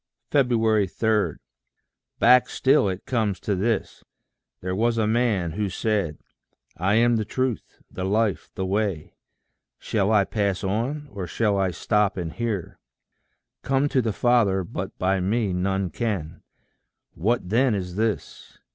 3. Back still it comes to this: there was a man Who said, "I am the truth, the life, the way:" Shall I pass on, or shall I stop and hear? "Come to the Father but by me none can:" What then is this?